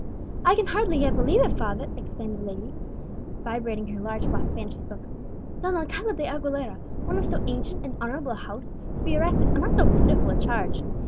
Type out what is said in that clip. "I can hardly yet believe it, father!" exclaimed the lady, vibrating her large black fan as she spoke. "Don Alcala de Aguilera, one of so ancient and honourable a house, to be arrested, and on so pitiful a charge!